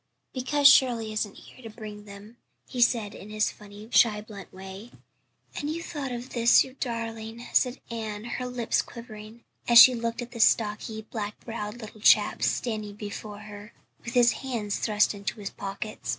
"Because Shirley isn't here to bring them," he said in his funny, shy, blunt way. "And you thought of this, you darling," said Anne, her lips quivering, as she looked at the stocky, black browed little chap, standing before her, with his hands thrust into his pockets.